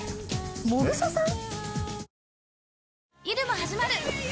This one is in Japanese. もぐささん！？